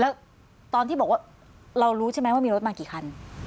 แล้วตอนที่บอกว่าเรารู้ใช่ไหมว่ามีรถมากี่คัน